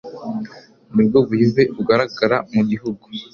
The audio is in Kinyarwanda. nibwo buyobe bugaragara mu gihugu